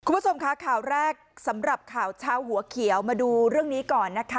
คุณผู้ชมค่ะข่าวแรกสำหรับข่าวเช้าหัวเขียวมาดูเรื่องนี้ก่อนนะคะ